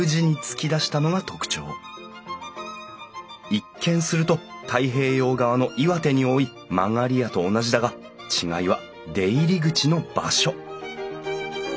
一見すると太平洋側の岩手に多い曲り家と同じだが違いは出入り口の場所。